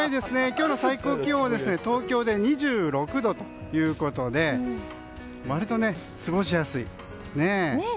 今日の最高気温は東京で２６度ということで割と過ごしやすい。